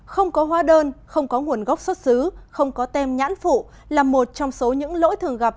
không có hóa đơn không có nguồn gốc xuất xứ không có tem nhãn phụ là một trong số những lỗi thường gặp